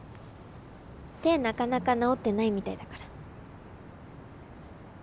手なかなか治ってないみたいだから。